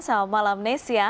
selamat malam nesia